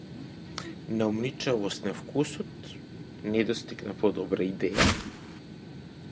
Наумничавост на вкусот, недостиг на подобра идеја?